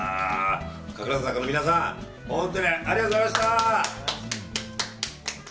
神楽坂の皆さん本当にありがとうございました。